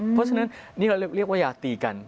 เพราะฉะนั้นนี่เราเรียกว่ายาตีกัน